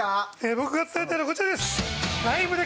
僕が伝えたいのはこちらです。